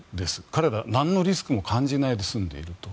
彼ら、なんのリスクも感じないで済んでいると。